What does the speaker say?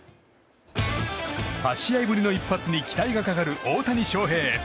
８試合ぶりの一発に期待がかかる大谷翔平。